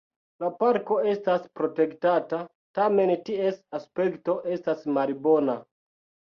La parko estas protektata, tamen ties aspekto estas malbona.